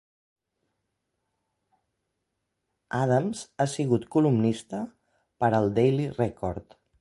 Adams ha sigut columnista per al "Daily Record".